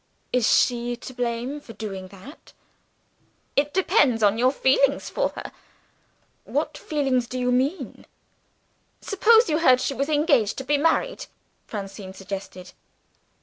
"Is she to blame for doing that?" "It depends on your feeling for her." "What feeling do you mean?" "Suppose you heard she was engaged to be married?" Francine suggested.